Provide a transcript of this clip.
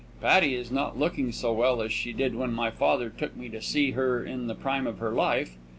Patti is not looking so well as she did when my father took me to see her in the prime of her life.